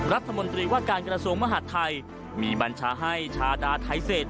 รัฐมนตรีว่าการกระทรวงมหาดไทยมีบัญชาให้ชาดาไทเศษ